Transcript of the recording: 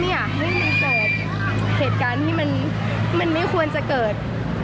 ไม่อยากให้มีเหตุการณ์ที่มันไม่ควรจะเกิด